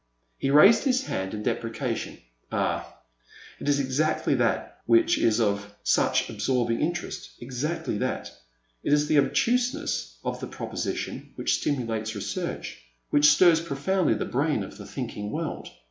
He raised his hand in deprecation. " Ah, it is exactly that which is of such absorbing interest, exactly that ! It is the abstruseness of the prop osition which stimulates research — ^which stirs profoundly the brain of the thinking world.